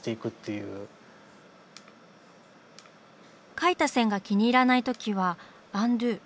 描いた線が気に入らない時は「アンドゥ」。